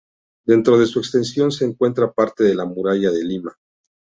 Dentro de su extensión se encuentra parte de la muralla de Lima.